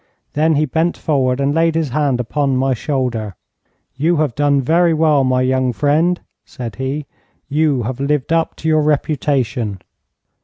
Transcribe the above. Then he bent forward and laid his hand upon my shoulder. 'You have done very well, my young friend,' said he. 'You have lived up to your reputation.'